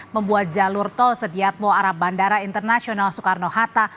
membuat jalur tol sediatmo arah bandara internasional soekarno hatta